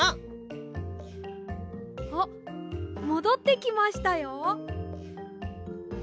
あっもどってきましたよ。